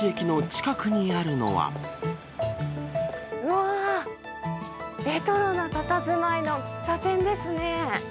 うわー、レトロなたたずまいの喫茶店ですね。